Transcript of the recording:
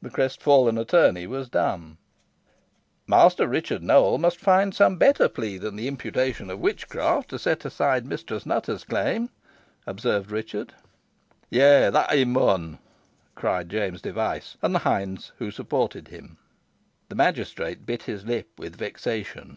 The crestfallen attorney was dumb. "Master Roger Nowell must find some better plea than the imputation of witchcraft to set aside Mistress Nutter's claim," observed Richard. "Yeigh, that he mun," cried James Device, and the hinds who supported him. The magistrate bit his lips with vexation.